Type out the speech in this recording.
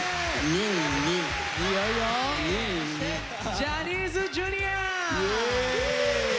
ジャニーズＪｒ．！